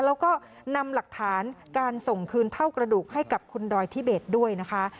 แล้วก็นำหลักฐานการส่งคืนเท่ากระดูกให้กับคุณดอยทิเบสด้วยนะคะ